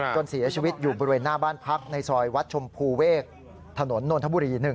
เสียชีวิตอยู่บริเวณหน้าบ้านพักในซอยวัดชมพูเวกถนนนนทบุรี๑